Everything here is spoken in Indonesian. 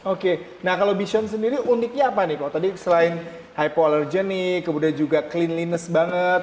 oke nah kalau bishon sendiri uniknya apa nih kok tadi selain hypoallergenic kemudian juga cleanliness banget